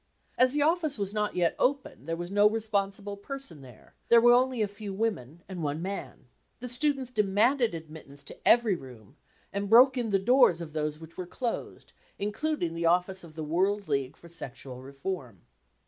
As the office was not yet open, there was no responsible person there ; there were only a few women and one man. The students demanded admit tance to every room, and broke in the doors of those which were closed, including the office of the World League for Sexual Reform.